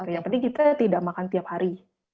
yang penting kita tidak makan tiap hari